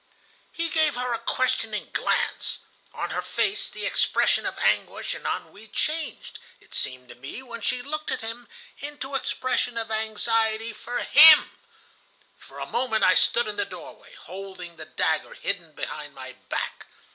"He gave her a questioning glance. On her face the expression of anguish and ennui changed, it seemed to me, when she looked at him, into an expression of anxiety for him. For a moment I stood in the doorway, holding the dagger hidden behind my back.